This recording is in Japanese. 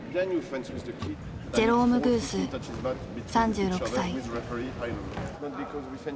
ジェローム・グース３６歳。